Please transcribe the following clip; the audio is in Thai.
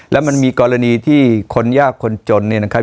แล้วมันมีกรณีที่คนยากคนจนเนี่ยนะครับ